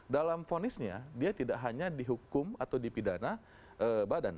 dalam vonisnya dia tidak hanya dihukum atau dipidana badan